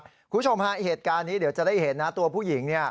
คุณผู้ชมเห็นว่าเราจะได้เห็นตัวผู้หญิง